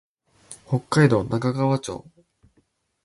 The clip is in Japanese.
北海道中川町